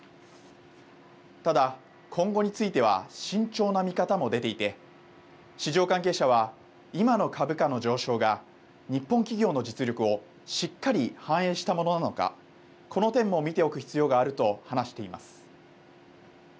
ただ今後については慎重な見方も出ていて市場関係者は今の株価の上昇が日本企業の実力をしっかり反映したものなのかこの点も見ておく必要があると話しています。